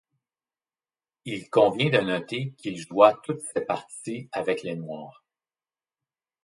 Il convient de noter qu'il joua toutes ses parties avec les Noirs.